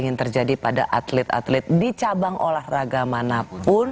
yang terjadi pada atlet atlet di cabang olahraga manapun